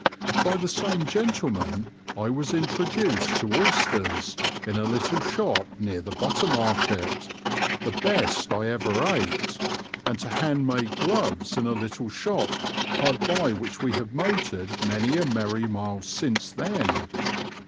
By the same gentleman I was introduced to oysters, in a little shop near the Butter Market, the best I ever ate, and to hand made gloves in a little shop hard by which have motored many a merry mile since then.